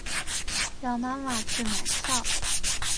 叫妈妈去买票